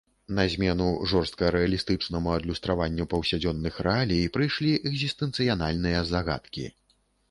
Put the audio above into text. На змену жорстка рэалістычнаму адлюстраванню паўсядзённых рэалій прыйшлі экзістэнцыяльныя загадкі.